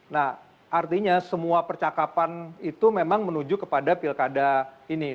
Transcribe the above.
nah artinya semua percakapan itu memang menuju kepada pilkada ini